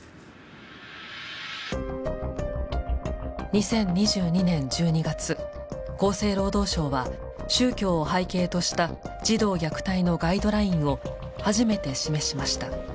２０２２年１２月厚生労働省は宗教を背景とした児童虐待のガイドラインを初めて示しました。